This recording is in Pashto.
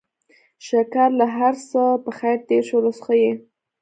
شکر چې هرڅه پخير تېر شول، اوس ښه يې؟